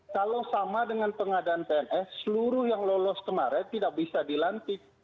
kalau sama dengan pengadaan pns seluruh yang lolos kemarin tidak bisa dilantik